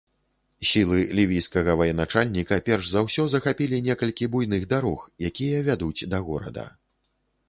Сілы лівійскага ваеначальніка перш за ўсё захапілі некалькі буйных дарог, якія вядуць да горада.